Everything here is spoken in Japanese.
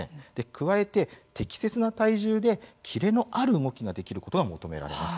加えて適切な体重でキレのある動きができることも求められます。